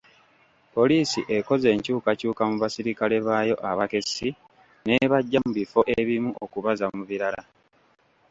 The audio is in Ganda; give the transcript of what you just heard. Poliisi ekoze enkyukakyuka mu basirikale baayo abakessi n'ebajja mu bifo ebimu okubazza mu birala.